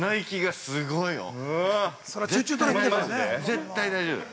◆絶対大丈夫よ。